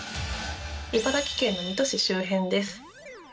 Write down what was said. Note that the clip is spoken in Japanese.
茨城県の水戸市周辺です。